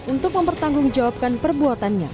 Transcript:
untuk mempertanggungjawabkan perbuatannya